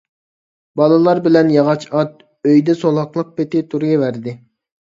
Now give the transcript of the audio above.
بالىلار بىلەن «ياغاچ ئات» ئۆيدە سولاقلىق پېتى تۇرۇۋەردى.